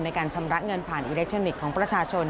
ในการชำระเงินผ่านอิเล็กทรอนิกส์ของประชาชน